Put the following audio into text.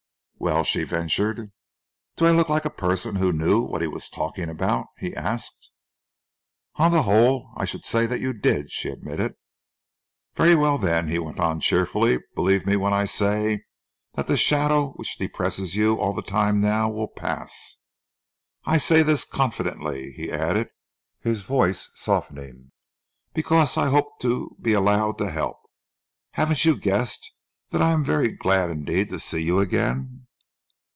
"Well?" she ventured. "Do I look like a person who knew what he was talking about?" he asked. "On the whole, I should say that you did," she admitted. "Very well, then," he went on cheerfully, "believe me when I say that the shadow which depresses you all the time now will pass. I say this confidently," he added, his voice softening, "because I hope to be allowed to help. Haven't you guessed that I am very glad indeed to see you again?"